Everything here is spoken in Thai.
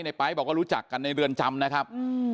ไป๊บอกว่ารู้จักกันในเรือนจำนะครับ